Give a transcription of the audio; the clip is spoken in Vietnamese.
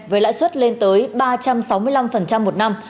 với lãi suất lên tới ba trăm sáu mươi năm một năm